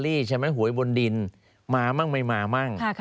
ลอตเตอรี่หวยบนดินมามั่งไม่มามั่ง